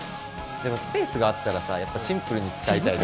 でもスペースがあったらさ、やっぱシンプルに使いたい。